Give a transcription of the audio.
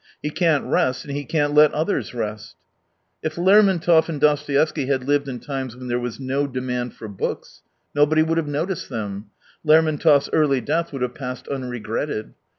" He can't rest and he can't let others rest." If Lermontov and Dostoevsky had lived in times when there was no demand for books, nobody would have noticed them. Ler montov's early death would have passed unregretted.